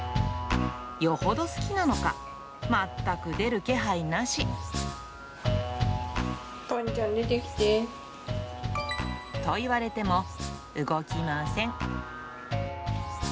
よほど好きなのか、ぽんちゃん、出てきて。と言われても、動きません。